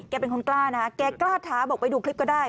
เป็นคนกล้านะแกกล้าท้าบอกไปดูคลิปก็ได้